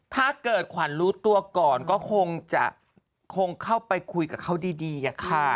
ถ้าเกิดขวัญรู้ตัวก่อนก็คงจะคงเข้าไปคุยกับเขาดีอะค่ะ